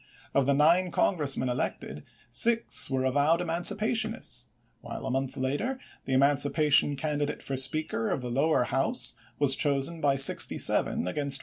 Of the nine Congressmen elected, six were avowed emancipa tionists, while a month later the emancipation can didate for Speaker of the lower House was chosen by 67 against 42.